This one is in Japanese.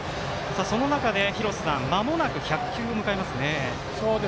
その中で、まもなく１００球迎えますね。